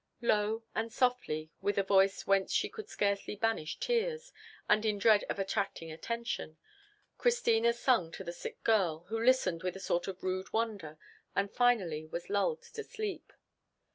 Low and softly, with a voice whence she could scarcely banish tears, and in dread of attracting attention, Christina sung to the sick girl, who listened with a sort of rude wonder, and finally was lulled to sleep.